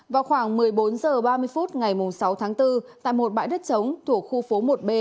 vào khoảng một mươi bốn h ba mươi phút ngày sáu tháng bốn tại một bãi đất trống thuộc khu phố một b